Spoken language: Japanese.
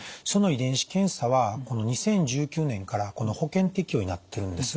その遺伝子検査はこの２０１９年から保険適用になってるんです。